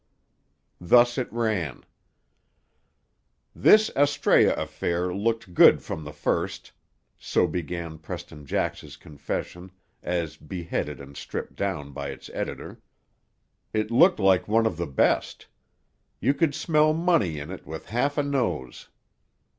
Thus it ran: "This Astræa affair looked good from the first," so began Preston Jax's confession, as beheaded and stripped down by its editor. "It looked like one of the best. You could smell money in it with half a nose.